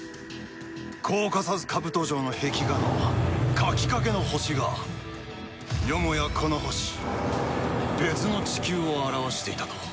コーカサスカブト城の壁画の描きかけの星がよもやこの星別の地球を表していたとは。